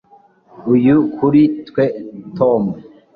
Uyu kuri twe Tom